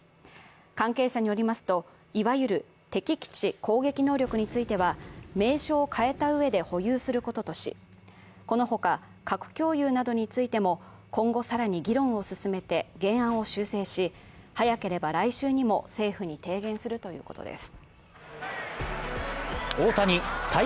関係者によりますと、いわゆる敵基地攻撃能力については、名称を変えたうえで保有することとし、このほか核共有などについても今後更に議論を進めて原案を修正し、早ければ来週にも政府に提言するということです。